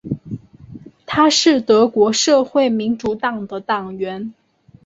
他是德国社会民主党的党员。